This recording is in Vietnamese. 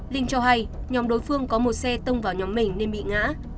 linh cho hay nhóm đối phương có một xe tông vào nhóm mình nên bị ngã